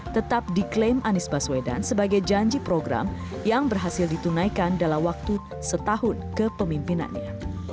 tetap diklaim anies baswedan sebagai janji program yang berhasil ditunaikan dalam waktu setahun kepemimpinannya